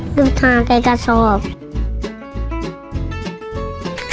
หรือทานไปกับโทษ